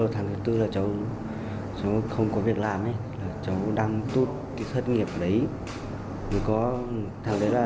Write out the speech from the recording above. tháng thứ tư là chúng tôi không có việc làm chúng tôi đang tốt cái thất nghiệp ở đấy